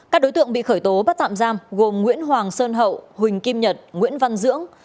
các đối tượng bị khởi tố bắt tạm giam gồm nguyễn hoàng sơn hậu huỳnh kim nhật nguyễn văn dưỡng